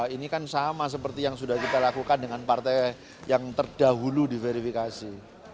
ini kan sama seperti yang sudah kita lakukan dengan partai yang terdahulu diverifikasi